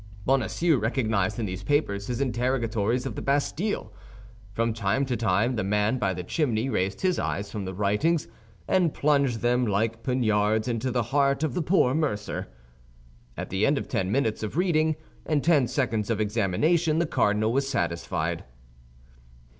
Bonacieux recognized in these papers his interrogatories of the Bastille. From time to time the man by the chimney raised his eyes from the writings, and plunged them like poniards into the heart of the poor mercer. At the end of ten minutes of reading and ten seconds of examination, the cardinal was satisfied.